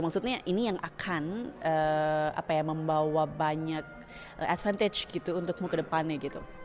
maksudnya ini yang akan membawa banyak advantage gitu untukmu ke depannya gitu